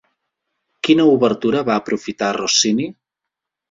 Quina obertura va aprofitar Rossini?